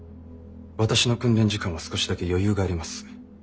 私の訓練時間は少しだけ余裕があります。